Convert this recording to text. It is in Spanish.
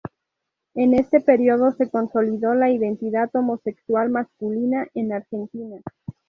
En este período se consolidó la identidad homosexual masculina en Argentina.